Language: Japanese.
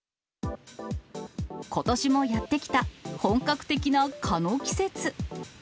ことしもやって来た、本格的な蚊の季節。